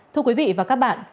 thưa quý vị và các bạn